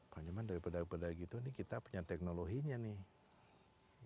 pak juman daripada gitu nih kita punya teknologinya nih